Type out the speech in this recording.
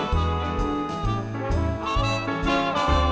และในราชงาน